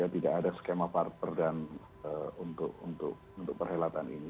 tidak ada skema parter untuk perhelatan ini